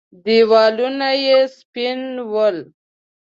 دېوالونه يې سپين ول.